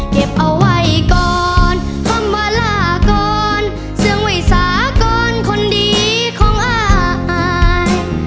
เก็บเอาไว้ก่อนคำว่าลาก่อนเสื่องไว้สากรคนดีของอาย